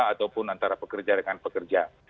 ataupun antara pekerja dengan pekerja